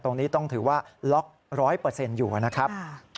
ตรงนี้ต้องถือว่าล็อก๑๐๐อยู่นะครับ